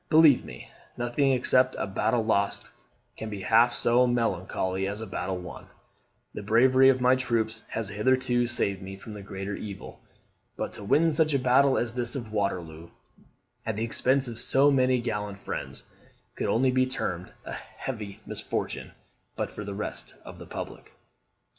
Believe me, nothing except a battle lost, can be half so melancholy as a battle won; the bravery of my troops has hitherto saved me from the greater evil; but to win such a battle as this of Waterloo, at the expense of so many gallant friends, could only be termed a heavy misfortune but for the result to the public."